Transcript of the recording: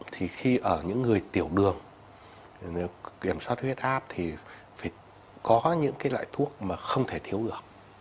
thì khi ở những người tiểu đường kiểm soát huyết áp thì phải có những loại thuốc mà không thể thiếu được